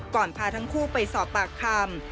พาทั้งคู่ไปสอบปากคำ